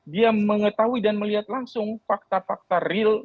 dia mengetahui dan melihat langsung fakta fakta real